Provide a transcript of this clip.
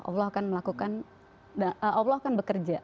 allah akan melakukan allah akan bekerja